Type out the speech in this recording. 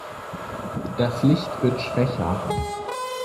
Das Licht wird schwächer.